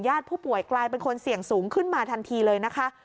ผู้ป่วยกลายเป็นคนเสี่ยงสูงขึ้นมาทันทีเลยนะคะ